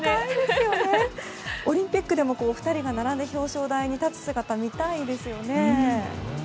オリンピックでも２人が並んで表彰台に立つ姿を見たいですよね。